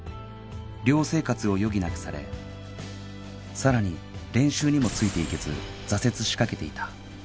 寮生活を余儀なくされ更に練習にもついていけず挫折しかけていた